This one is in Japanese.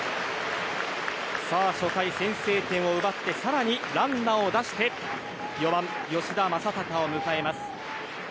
初回、先制点を奪って更にランナーを出して４番、吉田正尚を迎えます。